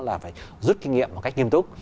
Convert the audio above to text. là phải rút kinh nghiệm một cách nghiêm túc